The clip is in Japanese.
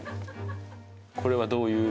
これはどういう？